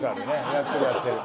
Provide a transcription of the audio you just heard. やってるやってる。